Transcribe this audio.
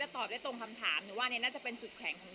ตอบได้ตรงคำถามหนูว่านี่น่าจะเป็นจุดแข็งของหนู